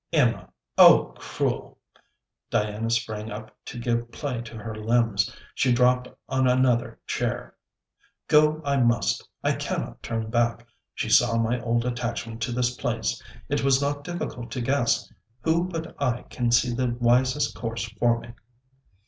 'Emma! Oh, cruel!' Diana sprang up to give play to her limbs. She dropped on another chair. 'Go I must, I cannot turn back. She saw my old attachment to this place. It was not difficult to guess... Who but I can see the wisest course for me!'